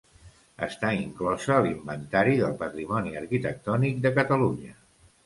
Està inclosa a l'Inventari del Patrimoni Arquitectònic de Catalunya.